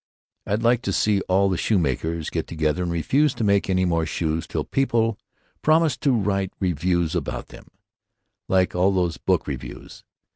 I'd like to see all the shoemakers get together and refuse to make any more shoes till people promised to write reviews about them, like all these book reviews.